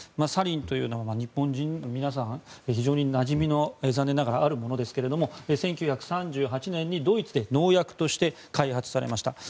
サリンというのは日本人の皆さん残念ながら非常になじみがあるものですが１９３８年、ドイツで農薬として開発されました。